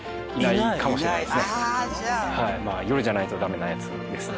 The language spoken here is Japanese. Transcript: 夜じゃないとダメなやつですね。